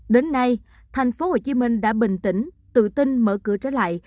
đến nay thành phố hồ chí minh đã bình tĩnh tự tin mở cửa trở lại